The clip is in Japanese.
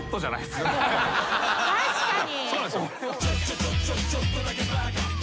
確かに。